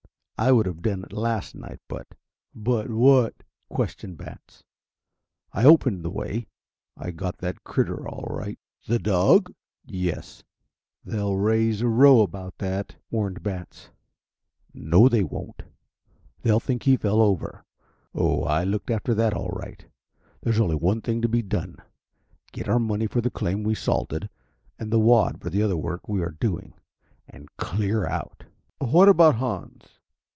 I would have done it last night, but " "But what?" questioned Batts. "I opened the way. I got that critter all right." "The dog?" "Yes." "They'll raise a row about that," warned Batts. "No they won't. They'll think he fell over. Oh, I looked after that all right. There's only one thing to be done, get our money for the claim we salted, and the wad for the other work we are doing, and clear out." "What about Hans?"